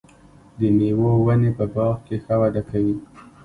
د مېوو ونې په باغ کې ښه وده کوي.